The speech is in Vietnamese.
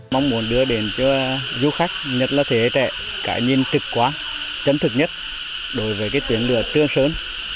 mong muốn đưa đến cho du khách nhất là thế hệ trẻ cái nhìn cực quá chấn thực nhất đối với tuyến lửa trường sơn